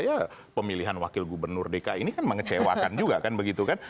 ya pemilihan wakil gubernur dki ini kan mengecewakan juga kan begitu kan